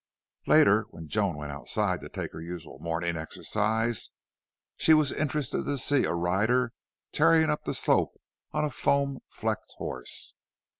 Later, when Joan went outside to take her usual morning exercise, she was interested to see a rider tearing up the slope on a foam flecked horse.